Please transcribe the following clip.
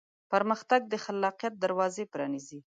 پرمختګ د خلاقیت دروازې پرانیزي.